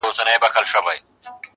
او خپل سر يې د لينگو پر آمسا کښېښود